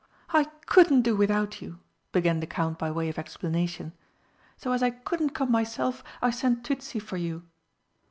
"I couldn't do without you," began the Count by way of explanation, "so as I couldn't come myself I sent Tützi for you."